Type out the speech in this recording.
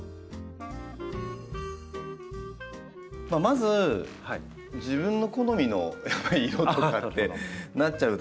まず自分の好みの色とかってなっちゃうと思うんですけど。